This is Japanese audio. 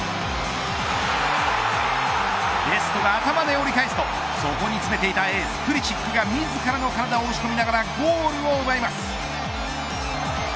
デストが頭で折り返すとそこに詰めていたエースプリシックが自らの体を押し込みながらゴールを奪います。